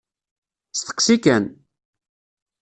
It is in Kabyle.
Steqsi kan!